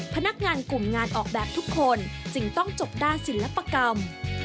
พนักงานกลุ่มงานออกแบบทุกคนจึงต้องจบด้านศิลปกรรม